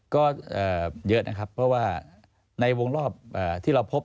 ก็เยอะนะครับเพราะว่าในวงรอบที่เราพบ